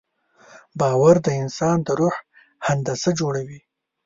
باور د انسان د روح هندسه جوړوي.